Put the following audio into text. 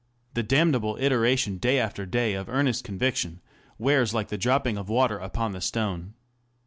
The damnable iteration day after day of earnest conviction wears like the dropping of water upon the stone.